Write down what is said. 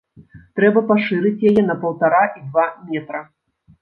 Трэба пашырыць яе на паўтара і два метра.